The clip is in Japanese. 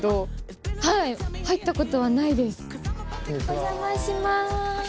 お邪魔します。